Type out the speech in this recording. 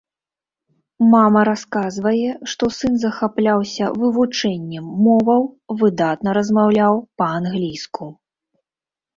Мама расказвае, што сын захапляўся вывучэннем моваў, выдатна размаўляў па-англійску.